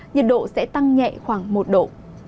nhiệt độ sẽ tăng nhẹ khoảng một độ